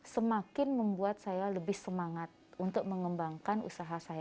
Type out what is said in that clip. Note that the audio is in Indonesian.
semakin membuat saya lebih semangat untuk mengembangkan usaha saya